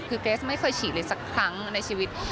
คือเกรสไม่เคยฉีดเลยสักครั้งในชีวิต